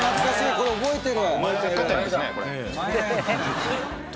これ覚えてる。